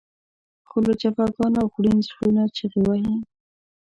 خو له جفاګانو خوړین زړونه چغې وهي.